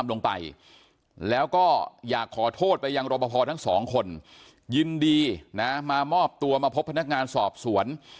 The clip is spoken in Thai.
ลงไปแล้วก็อยากขอโทษไปยังรบพอทั้งสองคนยินดีนะมามอบตัวมาพบพนักงานสอบสวน